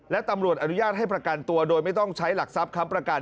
และตำรวจอนุญาตให้ประกันตัวโดยไม่ต้องใช้หลักทรัพย์ค้ำประกัน